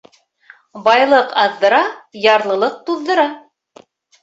Байлыҡ аҙҙыра, ярлылыҡ туҙҙыра.